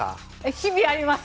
日々あります。